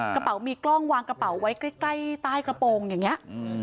กระเป๋ามีกล้องวางกระเป๋าไว้ใกล้ใต้กระโปรงอย่างนี้